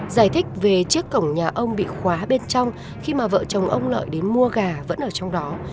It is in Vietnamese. giải thích về chiếc cổng nhà ông bị khóa bên trong khi mà vợ chồng ông lợi đến mua gà vẫn ở trong đó